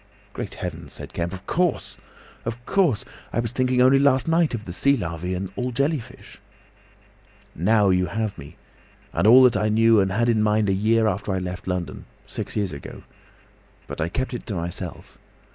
"Great Heavens!" cried Kemp. "Of course, of course! I was thinking only last night of the sea larvae and all jelly fish!" "Now you have me! And all that I knew and had in mind a year after I left London—six years ago. But I kept it to myself.